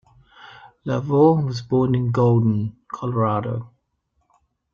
LaVeaux was born in Golden, Colorado.